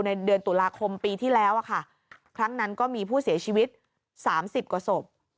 ในเดือนตุลาคมปีที่แล้วครั้งนั้นก็มีผู้เสียชีวิต๓๐กว่าศพ